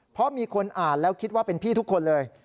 เพราะมีคนอ่านแล้วคิดว่าเป็นพี่ทุกคนเลย